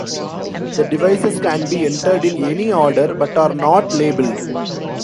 The devices can be entered in any order, but are not labeled.